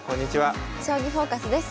「将棋フォーカス」です。